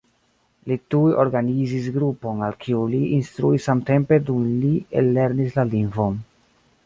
Li tuj organizis grupon al kiu li instruis samtempe dum li ellernis la lingvon.